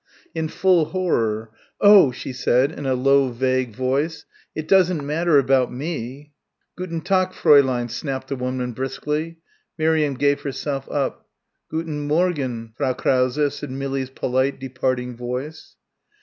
In full horror, "Oh," she said, in a low vague voice, "it doesn't matter about me." "Gun' Tak' Fr'n," snapped the woman briskly. Miriam gave herself up. "Gooten Mawgen, Frau Krause," said Millie's polite departing voice.